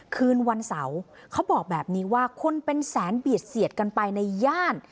คืนวันเสาร์เขาบอกแบบนี้ว่าคนเป็นแสนเบียดเสียดกันไปในย่าน